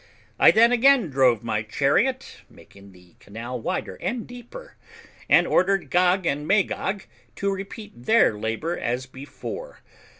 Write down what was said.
I then again drove my chariot, making the canal wider and deeper, and ordered Gog and Magog to repeat their labour as before.